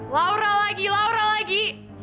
laura lagi laura lagi